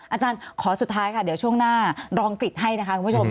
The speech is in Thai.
อาจารย์ขอสุดท้ายค่ะเดี๋ยวช่วงหน้ารองอัจให้นะคะคุณผู้ชม